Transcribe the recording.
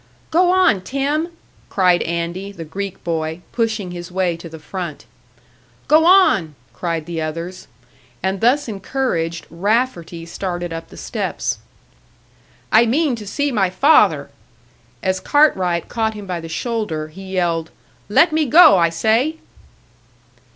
"Go on, Tim!" cried Andy, the Greek boy, pushing his way to the front. "Go on!" cried the others; and thus encouraged, Rafferty started up the steps. "I mean to see my father!" As Cartwright caught him by the shoulder, he yelled, "Let me go, I say!"